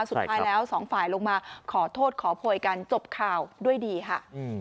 สุดท้ายแล้วสองฝ่ายลงมาขอโทษขอโพยกันจบข่าวด้วยดีค่ะ